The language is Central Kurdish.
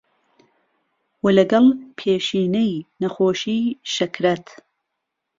وە لەگەڵ پێشینەی نەخۆشی شەکرەت